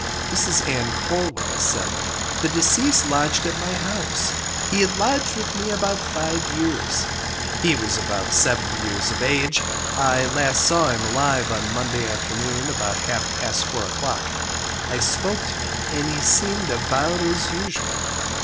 Mrs Ann Colwell said The deceased lodged at my house. He had lodged with me about five years. He was about seventy years of age. I last saw him alive on Monday afternoon about half past four o'clock. I spoke to him, and he seemed about as usual.